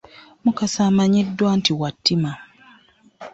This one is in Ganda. Mukasa amanyiddwa nti wa ttima.